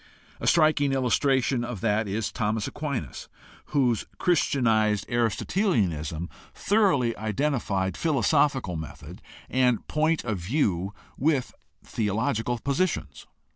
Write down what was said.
A striking illustration of that is Thomas Aquinas, whose Christianized Aristotelianism 74 GUIDE TO STUDY OF CHRISTIAN RELIGION thoroughly identified philosophical method and point of view with theological positions.